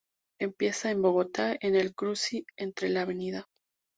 Empieza en Bogotá en el cruce entre la Av.